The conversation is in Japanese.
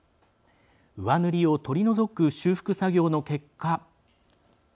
上塗りを取り除く修復作業の結果。